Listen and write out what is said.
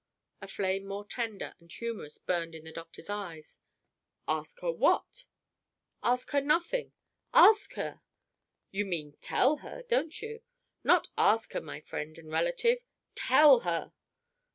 A flame more tender and humorous burned in the doctor's eyes. "Ask her what?" "Ask her nothing! Ask her!" "You mean tell her, don't you? Not ask her, my friend and relative; tell her!"